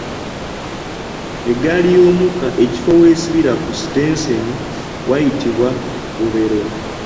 Eggaali y’omukka ekifo w’esibira ku sitenseni wayitibwa ggobero.